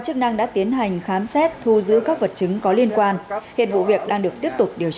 chức năng đã tiến hành khám xét thu giữ các vật chứng có liên quan hiện vụ việc đang được tiếp tục điều